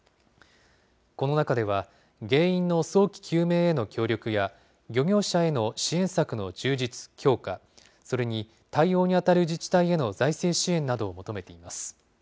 この中では、原因の早期究明への協力や、漁業者への支援策の充実・強化、それに対応に当たる自治体への財政支援などを求めています。